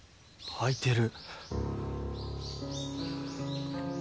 開いてる。